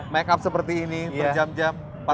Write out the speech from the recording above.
empat belas make up seperti ini berjam jam empat belas rupiah